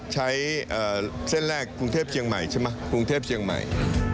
ใช้เส้นแรกกรุงเทพเชียงใหม่